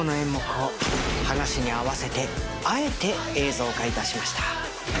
噺に合わせてあえて映像化致しました。